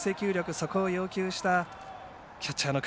そこを要求したキャッチャーの上。